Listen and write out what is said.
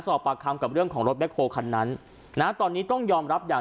สอบปากคำกับเรื่องของรถแคคโฮลคันนั้นนะตอนนี้ต้องยอมรับอย่าง